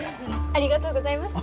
ありがとうございます。